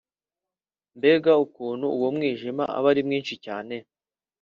mbega ukuntu uwo mwijima uba ari mwinshi cyane